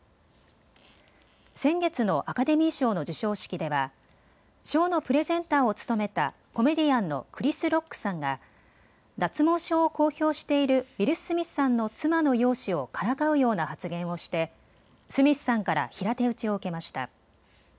先月のアカデミー賞の授賞式では賞のプレゼンターを務めたコメディアンのクリス・ロックさんが脱毛症を公表しているウィル・スミスさんの妻の容姿をからかうような発言をしてスミスさんから平手打ちを受けました。